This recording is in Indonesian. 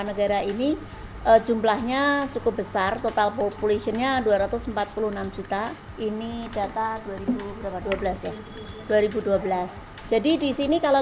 negara ini jumlahnya cukup besar total populationnya dua ratus empat puluh enam juta ini data dua ribu dua belas ya dua ribu dua belas jadi disini kalau